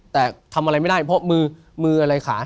แต่ทำอะไรไม่ได้เพราะมือมืออะไรขา